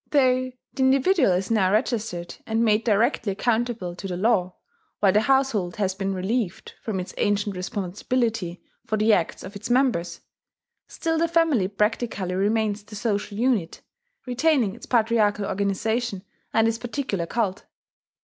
Though the individual is now registered, and made directly accountable to the law, while the household has been relieved from its ancient responsibility for the acts of its members, still the family practically remains the social unit, retaining its patriarchal organization and its particular cult.